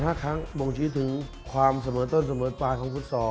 ตลอด๕ครั้งบ่งชี้ถึงความเสมอต้นเสมอปลาของฟุตศ